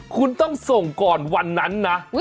คุณต้องส่งก่อนวันนั้นนะ